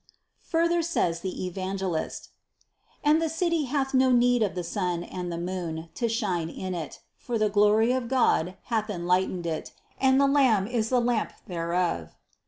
300. Further says the Evangelist: "And the city hath no need of the sun and the moon, to shine in it; for the glory of God hath enlightened it, and the Lamb is the lamp thereof."